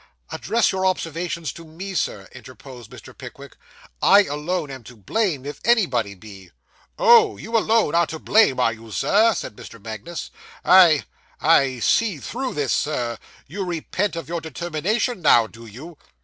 'Address your observations to me, sir,' interposed Mr. Pickwick; 'I alone am to blame, if anybody be.' 'Oh! you alone are to blame, are you, sir?' said Mr. Magnus; 'I I see through this, sir. You repent of your determination now, do you?